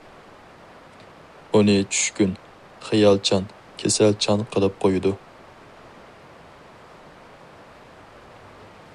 ئۇنى چۈشكۈن، خىيالچان، كېسەلچان قىلىپ قويىدۇ.